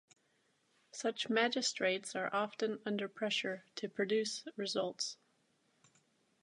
Such magistrates are often under pressure to produce results.